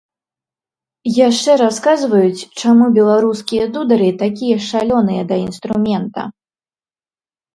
Яшчэ расказваюць, чаму беларускія дудары такія шалёныя да інструмента.